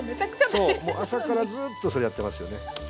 そう朝からずっとそれやってますよね。